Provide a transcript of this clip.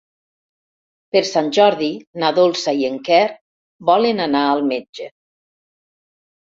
Per Sant Jordi na Dolça i en Quer volen anar al metge.